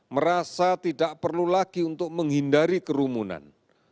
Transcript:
merasa tidak perlu lagi untuk menghindari kerumunan